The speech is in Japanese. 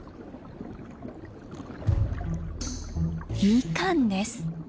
ミカンです。